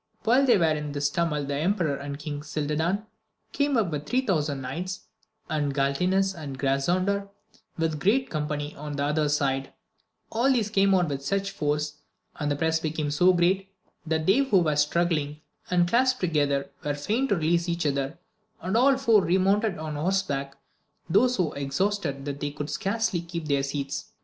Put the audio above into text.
While they were in this tumult the emperor and King Cildadan VOL. m. 13 194 AMADIS OF GAUL. came up with three thousand knights, and Galtines and Grasandor with a great company on the other side ; aJl these came on with such force, and the press be came so great, that they who were struggling and clasped together were fain to release each other, and all four remounted on horseback, though so exhausted that they could scarcely keep their seats.